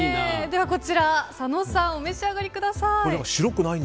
ではこちら、佐野さんお召し上がりください。